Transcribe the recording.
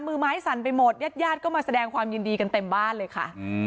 มือไม้สั่นไปหมดญาติญาติก็มาแสดงความยินดีกันเต็มบ้านเลยค่ะ